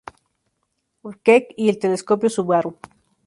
Keck y el Telescopio Subaru.